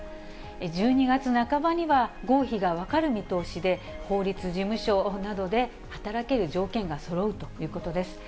１２月半ばには、合否が分かる見通しで、法律事務所などで働ける条件がそろうということです。